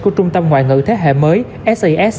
của trung tâm ngoại ngữ thế hệ mới sas